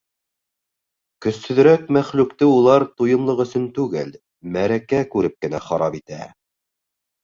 Көсһөҙөрәк мәхлүкте улар туйымлыҡ өсөн түгел, мәрәкә күреп кенә харап итә.